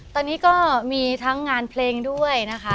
ตอนนี้ก็มีทั้งงานเพลงด้วยนะคะ